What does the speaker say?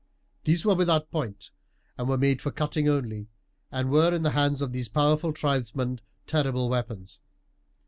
These were without point, and made for cutting only, and were in the hands of these powerful tribesmen terrible weapons.